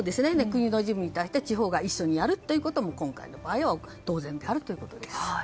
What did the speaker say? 国の事務に対して地方が一緒にやるのは今回の場合は当然であるということです。